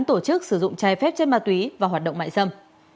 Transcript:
tổ chức sử dụng trái phép trên ma túy và hoạt động mại dâm